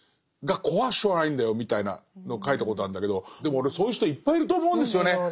が怖くてしょうがないんだよみたいなのを書いたことあるんだけどでも俺そういう人いっぱいいると思うんですよね。